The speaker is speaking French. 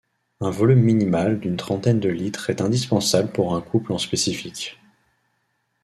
Un volume minimal d'une trentaine de litres est indispensable pour un couple en spécifique.